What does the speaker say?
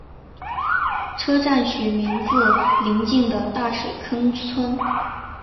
车站取名自邻近的大水坑村。